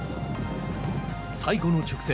最後の直線。